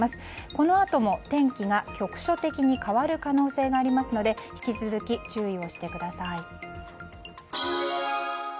このあとも天気が局所的に変わる可能性がありますので引き続き、注意をしてください。